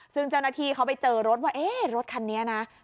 ซึ่งเจ้าหน้าที่เขาไปเจอรถว่าเอ๊ะรถคันนี้นะ